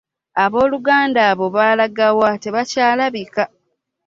Abooluganda abo baalaga wa? Tebakyalabika!